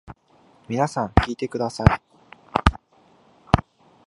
皆さん聞いてください。